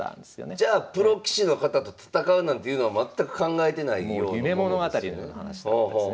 じゃあプロ棋士の方と戦うなんていうのは全く考えてないようなものですよね。